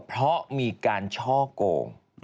เพราะมีการช่อโกง